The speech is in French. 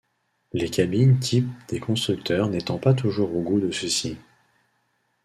Les cabines type des constructeurs n'étant pas toujours au goût de ceux-ci.